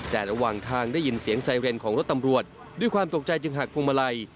แต่ระหว่างทางได้ยินเสียงไซเรนของรถตำรวจด้วยความตกใจจึงหักพวงมาลัย